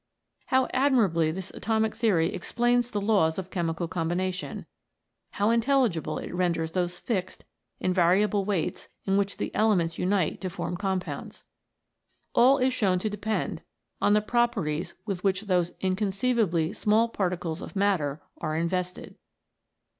How admirably this atomic theory explains the laws of chemical combination ; how intelligible it renders those fixed, invariable weights in which the elements unite to form compounds. All is shown to depend on the properties with which those inconceivably small particles of matter are in vested.